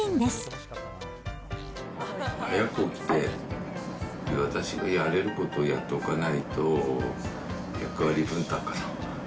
早く起きて、私のやれることをやっておかないと、役割分担かな。